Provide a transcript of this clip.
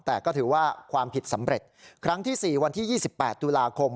แต่ก็ถือว่าความผิดสำเร็จครั้งที่สี่วันที่ยี่สิบแปดตุลาคม